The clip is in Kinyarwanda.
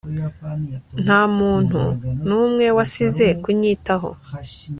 nta muntu n'umwe wasize kunyitaho